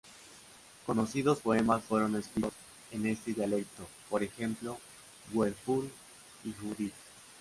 Conocidos poemas fueron escritos en este dialecto, por ejemplo, "Beowulf" y "Judith".